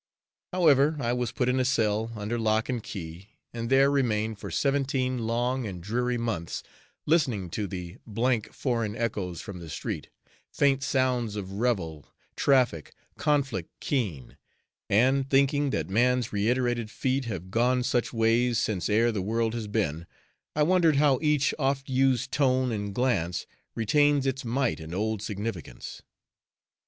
However, I was put in a cell, under lock and key, and there remained for seventeen long and dreary months, listening to the " foreign echoes from the street, Faint sounds of revel, traffic, conflict keen And, thinking that man's reiterated feet Have gone such ways since e'er the world has been, I wondered how each oft used tone and glance Retains its might and old significance."